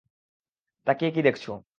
তাকিয়ে কি দেখছো?